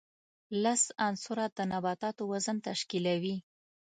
لس عنصره د نباتاتو وزن تشکیلوي.